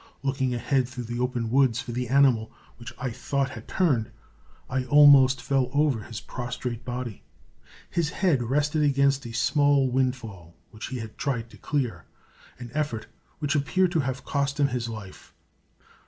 Looking ahead through the open woods for the animal, which I thought had turned, I almost fell over his prostrate body. His head rested against a small windfall, which he had tried to clear an effort which appeared to have cost him his life.